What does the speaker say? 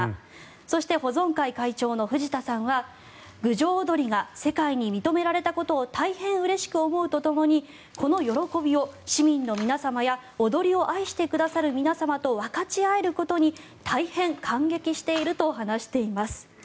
そして保存会会長の藤田さんは郡上踊が世界に認められたことを大変うれしく思うとともにこの喜びを市民の皆様や踊りを愛してくださる皆様と分かち合えることに大変感激していると話しています。